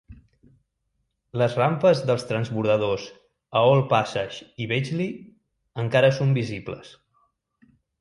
Les rampes dels transbordadors a Old Passage i Beachley encara són visibles.